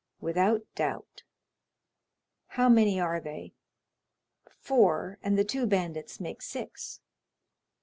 "Without doubt." "How many are they?" "Four, and the two bandits make six."